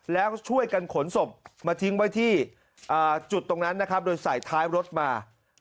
แล้วช่วยกันขนศพมาทิ้งไว้ที่จุดตรงนั้นนะครับโดยใส่ท้ายรถมา